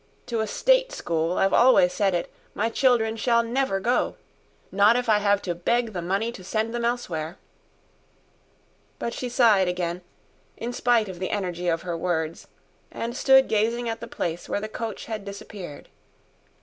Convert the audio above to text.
To a State School, I've always said it, my children shall never go not if I have to beg the money to send them elsewhere." But she sighed again, in spite of the energy of her words, and stood gazing at the place where the coach had disappeared.